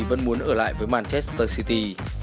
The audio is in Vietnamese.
vẫn muốn ở lại với manchester city